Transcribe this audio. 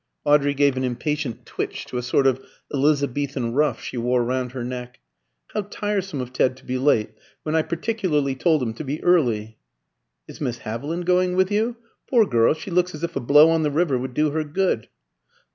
Audrey gave an impatient twitch to a sort of Elizabethan ruff she wore round her neck. "How tiresome of Ted to be late, when I particularly told him to be early!" "Is Miss Haviland going with you? Poor girl, she looks as if a blow on the river would do her good."